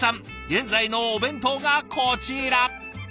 現在のお弁当がこちら。